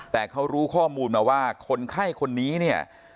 แต่เขารู้ข้อมูลมาว่าคนไข้คนนี้เนี่ย